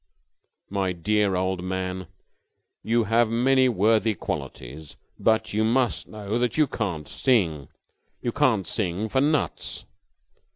"My dear old man, you have many worthy qualities, but you must know that you can't sing. You can't sing for nuts!